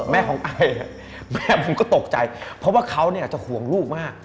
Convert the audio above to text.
แม่ของไอแม่ผมก็ตกใจเพราะว่าเขาจะห่วงลูกมาก